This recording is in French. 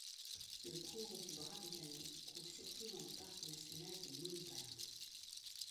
Le cours du Bras des Canots coule surtout dans le parc national des Monts-Valin.